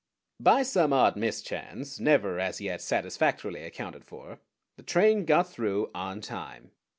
By some odd mischance, never as yet satisfactorily accounted for, the train got through on time.